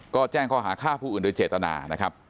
ก็แจ้งข้อหาฆ่าผู้อื่นโดยเจตนานะครับ